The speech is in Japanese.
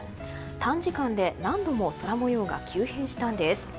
短時間で何度も空模様が急変したんです。